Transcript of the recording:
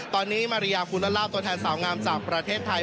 ตอนนี้มาริยากุลลาบตัวแทนสาวงามจากประเทศไทย